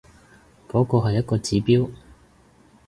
嗰個係一個指標